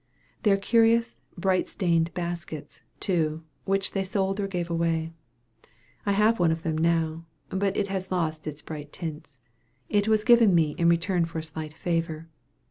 Their curious, bright stained baskets, too, which they sold or gave away. I have one of them now, but it has lost its bright tints. It was given me in return for a slight favor.